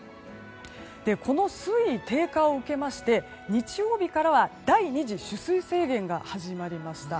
この水位低下を受け日曜日からは第２次取水制限が始まりました。